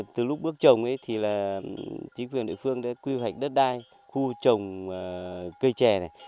từ lúc bước trồng thì chính quyền địa phương đã quy hoạch đất đai khu trồng cây trẻ này